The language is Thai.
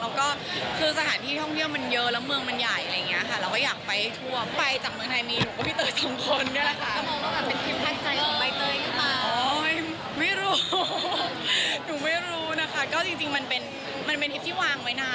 แล้วก็คือสถานที่ท่องเที่ยวมันเยอะแล้วเมืองมันใหญ่อะไรอย่างนี้ค่ะ